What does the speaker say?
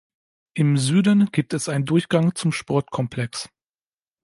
Im Süden gibt es einen Durchgang zum Sportkomplex.